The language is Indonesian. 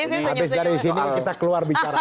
habis dari sini kita keluar bicara